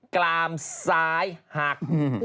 กลามซ้ายหัก